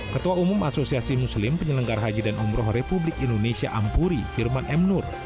ketua umum asosiasi muslim penyelenggara haji dan umroh republik indonesia ampuri firman m nur